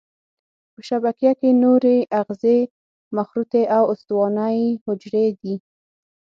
په شبکیه کې نوري آخذې مخروطي او استوانه یي حجرې دي.